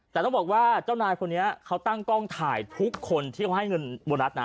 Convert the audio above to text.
แต่ต้องบอกว่าเจ้านายคนนี้เขาตั้งกล้องถ่ายทุกคนที่เขาให้เงินโบนัสนะ